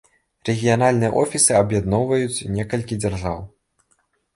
Рэгіянальныя офісы аб'ядноўваюць некалькі дзяржаў.